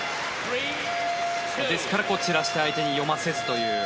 ですから、散らして相手に読ませずという。